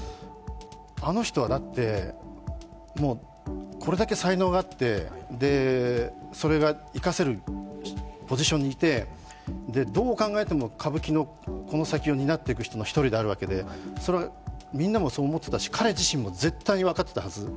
あの人はだって、もうこれだけ才能があってそれが生かせるポジションにいてどう考えても歌舞伎のこの先を担っていく人の１人であるわけで、それはみんなもそう思ってたし、彼自身も絶対に分かっていたはず。